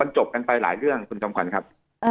จบกันไปหลายเรื่องคุณจอมขวัญครับ